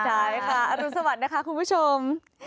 อารุณสวัสดิ์นะคะคุณผู้ชม